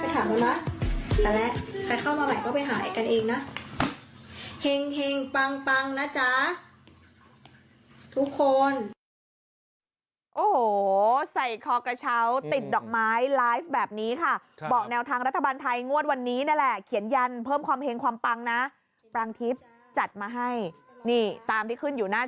เต็มร้อยนะจ๊ะพอแล้วนะไปถามแล้วนะไปแล้วใครเข้ามาใหม่ก็ไปหากันเองนะ